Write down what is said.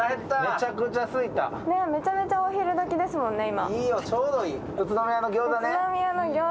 めちゃめちゃお昼時ですもんね、今。